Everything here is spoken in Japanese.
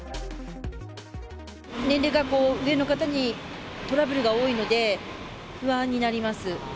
年齢が上の方にトラブルが多いので、不安になります。